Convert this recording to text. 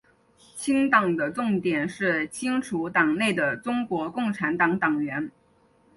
清党的重点是清除党内的中国共产党党员。